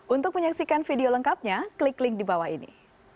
untuk menyaksikan video lengkapnya klik link di bawah ini